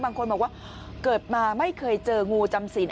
บางคนบอกว่าเกิดมาไม่เคยเจองูจำสิน